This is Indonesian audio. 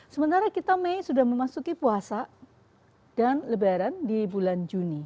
sementara kita mei sudah memasuki puasa dan lebaran di bulan juni